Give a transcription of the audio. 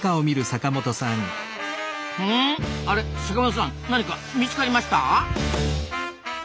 阪本さん何か見つかりました？